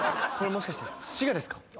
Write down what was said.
もしかして「滋賀」ですか？